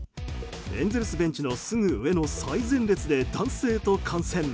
エンゼルスベンチのすぐ上の最前列で男性と観戦。